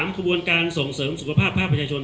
ขบวนการส่งเสริมสุขภาพภาคประชาชน